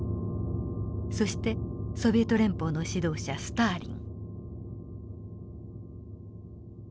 そしてソビエト連邦の指導者スターリン。